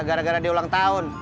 gara gara dia ulang tahun